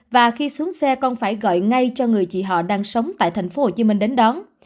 và khi xuống xe con phải gọi ngay cho người chị họ đang sống tại tp hcm đến đón